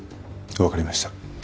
わかりました。